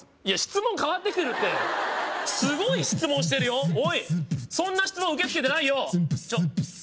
いや質問変わってきてるってすごい質問してるよおいそんな質問受けつけてないよ